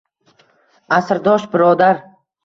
Asrdosh birodar